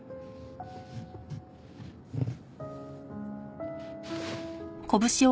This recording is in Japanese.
うん。